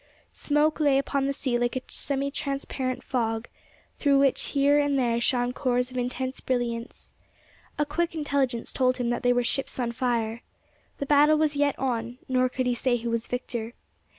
Smoke lay upon the sea like a semitransparent fog, through which here and there shone cores of intense brilliance. A quick intelligence told him that they were ships on fire. The battle was yet on; nor could he say who was victor.